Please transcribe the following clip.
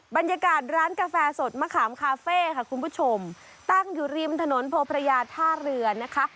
บรรยากาศร้านกาแฟสดมะขามคาเฟ่ค่ะคุณผู้ชมตั้งอยู่ริมถนนโพพระยาท่าเรือนะคะ